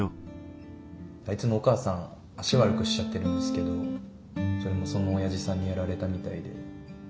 あいつのお母さん脚悪くしちゃってるんですけどそれもそのおやじさんにやられたみたいで。